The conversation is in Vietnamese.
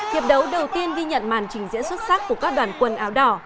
hiệp đấu đầu tiên ghi nhận màn trình diễn xuất sắc của các đoàn quần áo đỏ